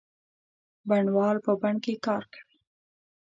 بڼوال په بڼ کې کار کوي.